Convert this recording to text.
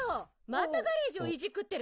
またガレージをいじくってるの？